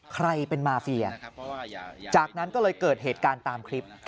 ใครเป็นมาเฟียจากนั้นก็เลยเกิดเหตุการณ์ตามคลิป